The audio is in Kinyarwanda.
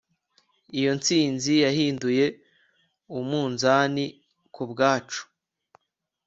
Iyo ntsinzi yahinduye umunzani ku bwacu